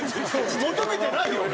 求めてないよ俺！